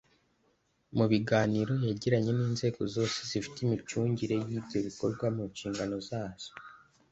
Mu biganiro yagiranye n’inzego zose zifite imicungire y’ibyo bikorwa mu nshingano zazo